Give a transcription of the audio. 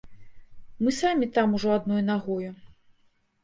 Мы самі там ужо адной нагою.